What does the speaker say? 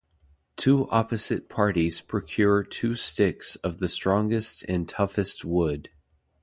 Two opposite parties procure two sticks of the strongest and toughest wood.